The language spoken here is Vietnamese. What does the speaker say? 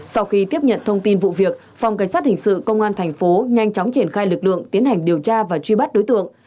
sau khi tiếp nhận thông tin vụ việc phòng cảnh sát hình sự công an thành phố nhanh chóng triển khai lực lượng tiến hành điều tra và truy bắt đối tượng